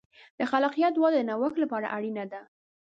د خلاقیت وده د نوښت لپاره اړینه ده.